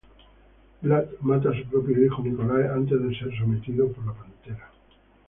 Vlad mata a su propio hijo Nicolae antes de ser sometido por la pantera.